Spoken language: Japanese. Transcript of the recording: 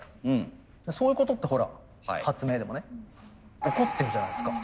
そういうことってほら発明でもね起こってるじゃないですか。